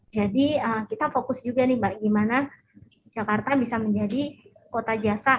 jadi kita fokus juga nih mbak gimana jakarta bisa menjadi kota jasa